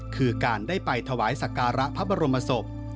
คือการได้ไปทวายศักรณภัยพระบรมศพ